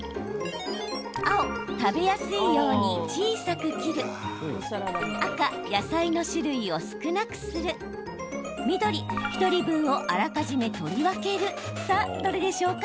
青・食べやすいように小さく切る赤・野菜の種類を少なくする緑・１人分をあらかじめ取り分けるさあ、どれでしょうか？